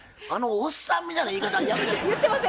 「あのおっさん」みたいな言い方やめて。